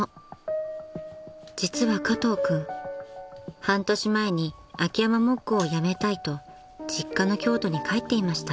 ［実は加藤君半年前に秋山木工を辞めたいと実家の京都に帰っていました］